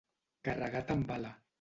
Carregat amb bala.